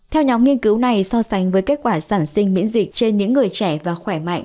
theo nhóm nghiên cứu này so sánh với kết quả sản sinh miễn dịch trên những người trẻ và khỏe mạnh